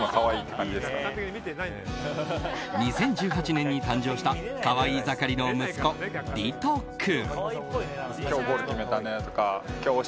２０１８年に誕生した可愛い盛りの息子・莉斗君。